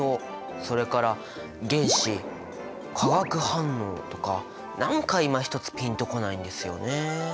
それから原子化学反応とか何かいまひとつピンと来ないんですよね。